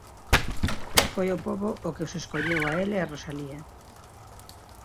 Foi o pobo o que os escolleu a el e a Rosalía.